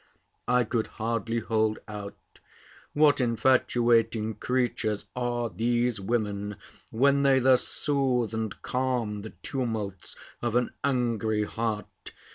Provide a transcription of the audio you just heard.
I could hardly hold out. What infatuating creatures are these women, when they thus soothe and calm the tumults of an angry heart!